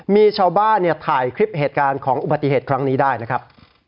มีชาวบ้านถ่ายคลิปเหตุการณ์ของอุบัติเหตุครั้งนี้ได้นะครับ